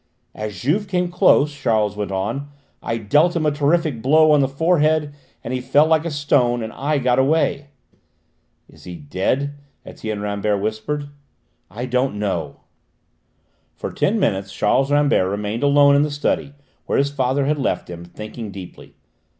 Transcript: "As Juve came close," Charles went on, "I dealt him a terrific blow on the forehead, and he fell like a stone. And I got away!" "Is he dead?" Etienne Rambert whispered. "I don't know." For ten minutes Charles Rambert remained alone in the study, where his father had left him, thinking deeply.